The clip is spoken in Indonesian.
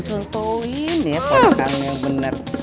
contohin ya korekannya bener